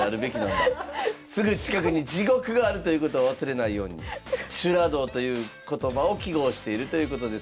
すぐ近くに地獄があるということを忘れないように「修羅道」という言葉を揮毫しているということですが。